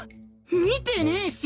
見てねえし！